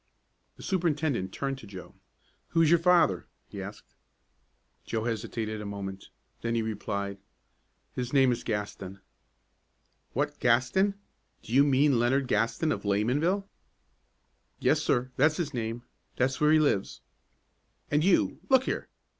The superintendent turned to Joe. "Who is your father?" he asked. Joe hesitated a moment. Then he replied, "His name is Gaston." "What Gaston? Do you mean Leonard Gaston, of Laymanville?" "Yes, sir, that's his name. That's where he lives." "And you look here!